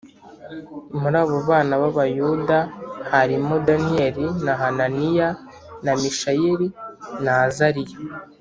Muri abo bana b’Abayuda harimo Daniyeli na Hananiya, na Mishayeli na Azariya